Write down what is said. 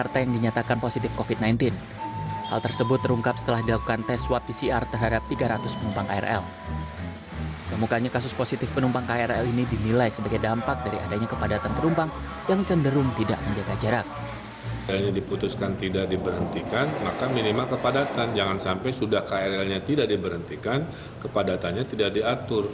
tidak diberhentikan kepadatannya tidak diatur